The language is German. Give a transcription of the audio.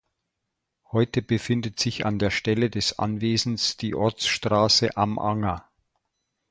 Heute befindet sich an der Stelle des Anwesens die Ortsstraße Am Anger.